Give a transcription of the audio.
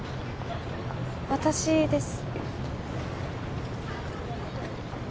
私です